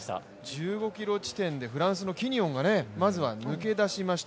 １５ｋｍ地点でフランスのキニオンがまずは抜け出しました。